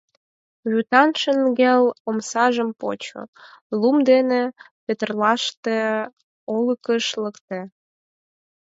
Вӱтан шеҥгел омсажым почо, лум дене петырналтше олыкыш лекте.